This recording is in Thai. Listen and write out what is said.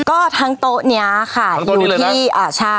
ก็ทั้งโต๊ะนี้ค่ะอยู่ที่ช่า